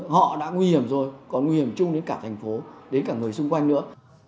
họ đã nguy hiểm rồi còn nguy hiểm chung đến cả thành phố đến cả người xung quanh nữa